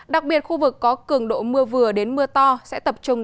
đặc biệt khu vực có cường độ mưa vừa đến mưa to sẽ tập trung